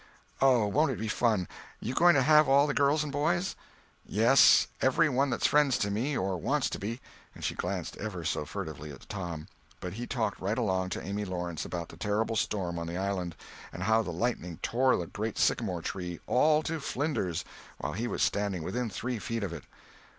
"Oh, won't it be fun! You going to have all the girls and boys?" "Yes, every one that's friends to me—or wants to be"; and she glanced ever so furtively at Tom, but he talked right along to Amy Lawrence about the terrible storm on the island, and how the lightning tore the great sycamore tree "all to flinders" while he was "standing within three feet of it."